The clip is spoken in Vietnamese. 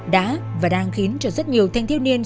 đã và đang khiến cho rất nhiều thanh thiếu niên